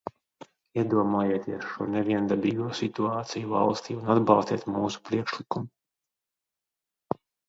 Iedomājieties šo neviendabīgo situāciju valstī un atbalstiet mūsu priekšlikumu!